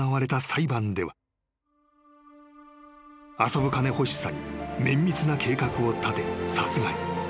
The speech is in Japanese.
［遊ぶ金欲しさに綿密な計画を立て殺害］